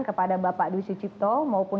kepada bapak dwi sucipto maupun